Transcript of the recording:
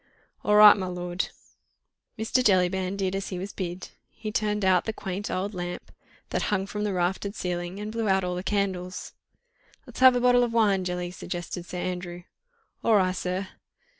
"All ri', my lord." Mr. Jellyband did as he was bid—he turned out the quaint old lamp that hung from the raftered ceiling and blew out all the candles. "Let's have a bottle of wine, Jelly," suggested Sir Andrew. "All ri', sir!"